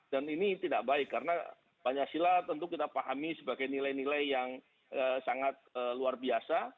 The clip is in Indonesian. ini tidak baik karena pancasila tentu kita pahami sebagai nilai nilai yang sangat luar biasa